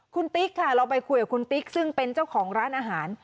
คุณติ๊กค่ะเราไปคุยกับคุณติ๊กซึ่งเป็นเจ้าของร้านอาหาร